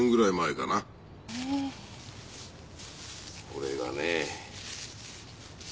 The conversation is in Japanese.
これがね。